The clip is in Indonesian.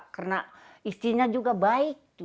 karena istrinya juga baik